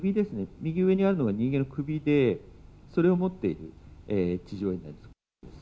右上にあるのが人間の首で、それを持っている地上絵です。